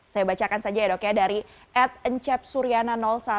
saya bacakan saja ya dok ya dari atncapsuryana satu